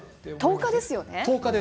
１０日ですよね。